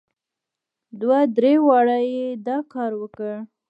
دوه درې واره یې دا کار وکړ.